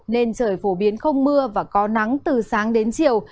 nên trời phổ biến không mưa và có nắng từ sáng đến chiều